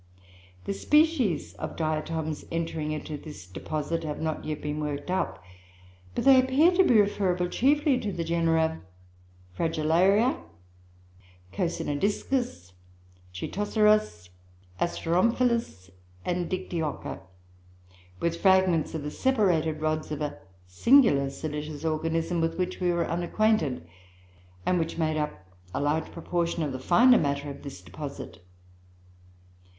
The species of Diatoms entering into this deposit have not yet been worked up, but they appear to be referable chiefly to the genera Fragillaria, Coscinodiscus, Choetoceros, Asteromphalus, and Dictyocha, with fragments of the separated rods of a singular silicious organism, with which we were unacquainted, and which made up a large proportion of the finer matter of this deposit.